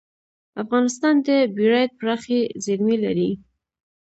افغانستان د بیرایت پراخې زیرمې لري.